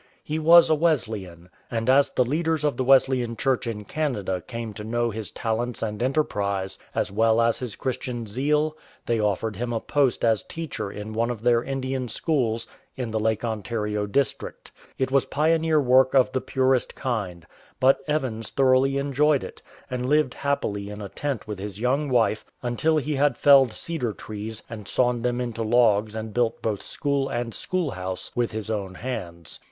He was a Wesleyan, and as the leaders of the Wesleyan Church in Canada came to know his talents and enterprise, as well as his Christian zeal, they offered him a post as teacher in one of their Indian schools in the Lake Ontario district. It was pioneer work of the purest kind, but Evans thoroughly enjoyed it, and 200 INDIANS AND FUR TRADERS lived happily in a tent with his young wife until he had felled cedar trees and sawn them into logs and built both school and schoolhouse with his own hands.